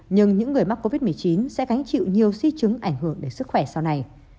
nhưng những người mắc covid một mươi chín sẽ gánh chịu nhiều di chứng ảnh hưởng đến sức khỏe sau này